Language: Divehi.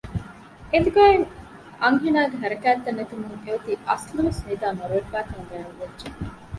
އެނދުގައި އޮތް އަންހެނާގެ ހަރަކާތެއް ނެތުމުން އެއޮތީ އަސްލުވެސް ނިދައި މަރުވެފައިކަން ގައިމުވެއްޖެ